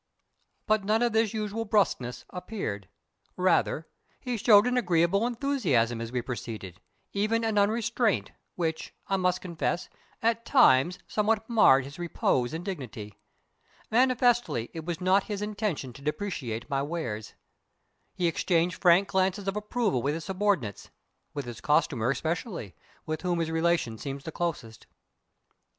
But none of this usual brusqueness appeared. Rather, he showed an agreeable enthusiasm as we proceeded even an unrestraint, which, I must confess, at times somewhat marred his repose and dignity. Manifestly it was not his intention to depreciate my wares. He exchanged frank glances of approval with his subordinates with his costumer especially, with whom his relation seems the closest.